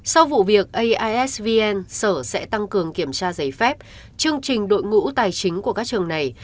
sau vụ việc aisvn sở sẽ tăng cường kiểm tra giấy phép chương trình đội ngũ tài chính của các trường này